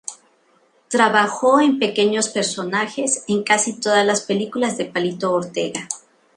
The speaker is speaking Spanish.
Trabajó en pequeños personajes en casi todas las películas de Palito Ortega.